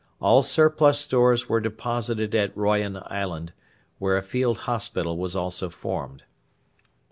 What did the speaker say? All surplus stores were deposited at Royan island, where a field hospital was also formed.